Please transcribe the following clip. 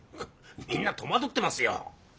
みんな戸惑ってますよ。